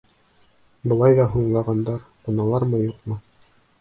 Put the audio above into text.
Былай ҙа һуңлағандар, ҡуналармы, юҡмы.